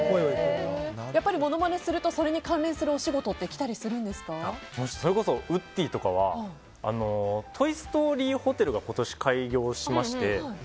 やっぱりものまねするとそれに関連するお仕事ってそれこそウッディとかはトイ・ストーリーホテルが今年、開業しまして。